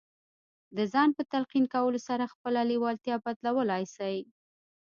د ځان په تلقين کولو سره خپله لېوالتیا بدلولای شئ.